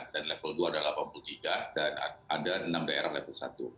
dan level dua adalah delapan puluh tiga dan ada enam daerah level satu